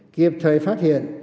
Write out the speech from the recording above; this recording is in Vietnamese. kịp thời phát hiện